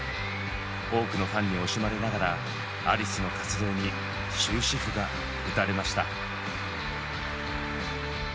多くのファンに惜しまれながらアリスの活動に終止符が打たれました。